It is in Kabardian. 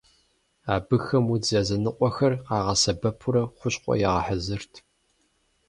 Абыхэм удз языныкъуэхэр къагъэсэбэпурэ хущхъуэ ягъэхьэзырт.